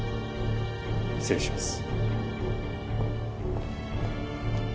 失礼します。